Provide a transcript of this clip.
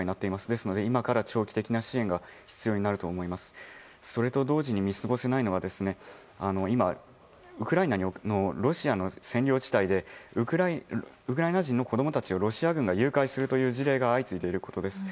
ですので、今から長期的な支援が必要になるのとそれと同時に見過ごせないのが今、ウクライナのロシアの占領地帯でウクライナ人の子供たちをロシア軍が誘拐するという事例が相次いでいるということです。